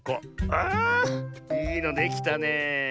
あいいのできたねえ。